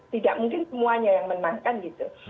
tidak mungkin semuanya yang menangkan gitu